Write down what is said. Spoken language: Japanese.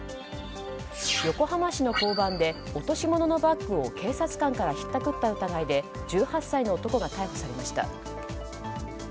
横浜市の交番で落とし物のバッグを警察官からひったくった疑いで１８歳の男が逮捕されました。